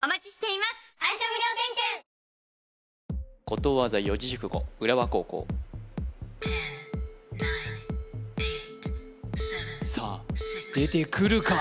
ことわざ・四字熟語浦和高校さあ出てくるか？